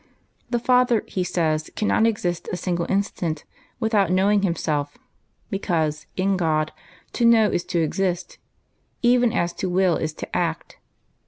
The Father, he says, cannot exist a single instant without knowing Himself, because, in God, to know is to exist, even as to will is to act.